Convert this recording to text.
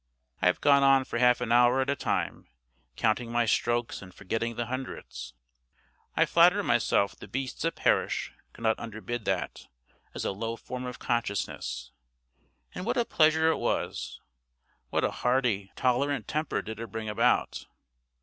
I have gone on for half an hour at a time, counting my strokes and forgetting the hundreds. I flatter myself the beasts that perish could not underbid that, as a low form of consciousness. And what a pleasure it was! What a hearty, tolerant temper did it bring about!